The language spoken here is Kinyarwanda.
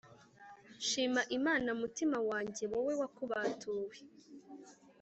Shima imana mutima wanjye wowe wakubatuwe